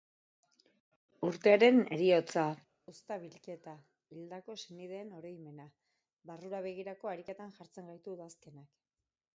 Urtearen heriotza, uzta bilketa, hildako senideen oroimena… barrura begirako ariketan jartzen gaitu udazkenak.